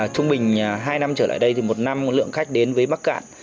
trung bình hai năm trở lại đây thì một năm lượng khách đến với bắc cạn